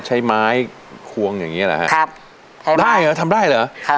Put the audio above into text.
ใช้ไม้ควงอย่างเงี้เหรอฮะครับทำได้เหรอทำได้เหรอครับ